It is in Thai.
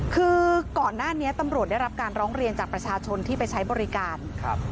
คือก่อนหน้านี้ตำรวจได้รับการร้องเรียนจากประชาชนที่ไปใช้บริการครับ